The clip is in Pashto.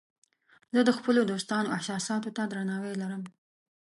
زه د خپلو دوستانو احساساتو ته درناوی لرم.